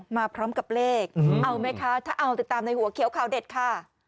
มาพร้อมกับเลขเอาไหมคะถ้าเอาติดตามในหัวเขียวข่าวเด็ดค่ะ